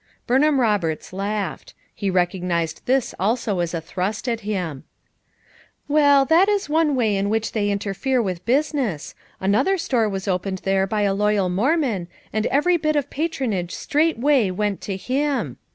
Burnham Roberts laughed; he recognized this also as a thrust at him. "Well, that is one way in which they inter fere with business. Another store was opened there by a loyal Mormon and every bit of pat 191 FOUR MOTHERS AT CHAUTAUQUA ronage straightway went to him.